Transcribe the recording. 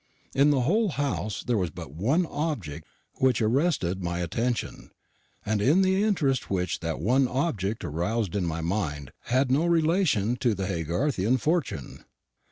In the whole of the house there was but one object which arrested my attention, and the interest which that one object aroused in my mind had no relation to the Haygarthian fortune.